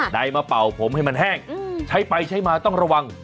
ใดมาเป่าผมให้มันแห้งใช้ไปใช้มาต้องระวัง